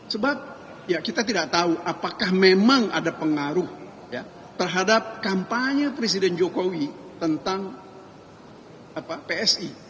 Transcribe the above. sebab ya kita tidak tahu apakah memang ada pengaruh terhadap kampanye presiden jokowi tentang psi